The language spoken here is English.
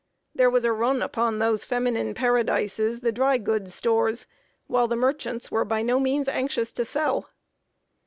There was a "run" upon those feminine paradises, the dry goods stores, while the merchants were by no means anxious to sell.